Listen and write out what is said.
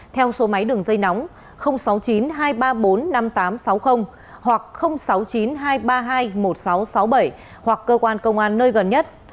theo số máy đường dây nóng sáu mươi chín hai trăm ba mươi bốn năm nghìn tám trăm sáu mươi hoặc sáu mươi chín hai trăm ba mươi hai một nghìn sáu trăm sáu mươi bảy hoặc cơ quan công an nơi gần nhất